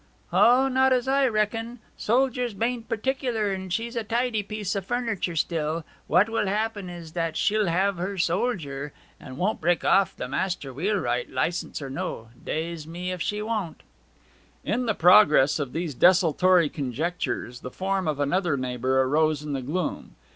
'O, not as I reckon. Soldiers bain't particular, and she's a tidy piece o' furniture still. What will happen is that she'll have her soldier, and break off with the master wheelwright, licence or no daze me if she won't.' In the progress of these desultory conjectures the form of another neighbour arose in the gloom.